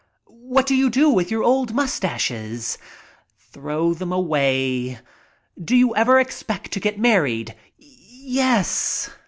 "What do you do with your old mustaches?" "Throw them away." "Do you ever expect to get married?" "Yes."